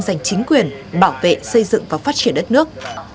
giành chính quyền bảo vệ xây dựng và phát triển đất nước